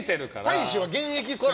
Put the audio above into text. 大使は現役ですか？